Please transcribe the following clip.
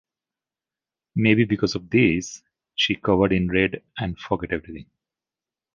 Maybe because of this, she covered in red and forget everything.